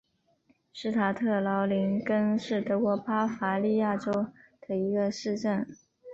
施塔特劳林根是德国巴伐利亚州的一个市镇。